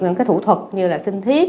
những cái thủ thuật như là sinh thiết